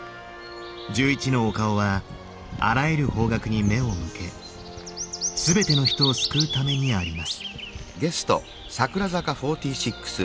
１１のお顔はあらゆる方角に目を向け全ての人を救うためにあります。